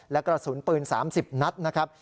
และกระสุนปืน๓๐นัดนะครับ